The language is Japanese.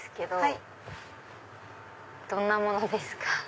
どんなものですか？